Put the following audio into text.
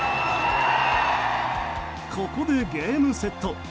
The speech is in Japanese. ここでゲームセット。